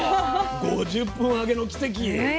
５０分揚げの奇跡。